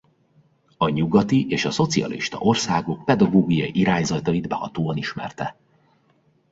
A nyugati és a szocialista országok pedagógiai irányzatait behatóan ismerte.